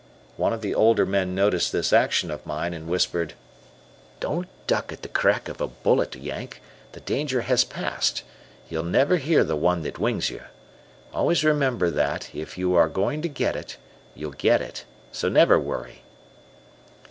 One of the older men noticed this action of mine, and whispered: "Don't duck at the crack of a bullet, Yank; the danger has passed, you never hear the one that wings you. Always remember that if you are going to get it, you'll get it, so never worry."